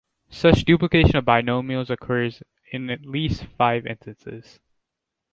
Such duplication of binomials occurs in at least five instances.